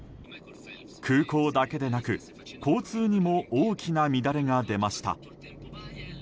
空港だけでなく交通にも大きな乱れが出ました。